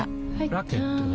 ラケットは？